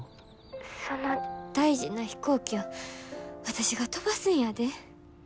その大事な飛行機を私が飛ばすんやで。